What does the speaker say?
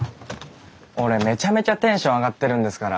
俺めちゃめちゃテンション上がってるんですから。